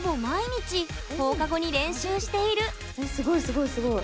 すごいすごいすごい！